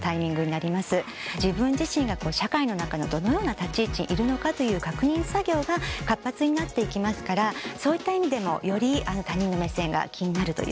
自分自身が社会の中のどのような立ち位置にいるのかという確認作業が活発になっていきますからそういった意味でもより他人の目線が気になるということになります。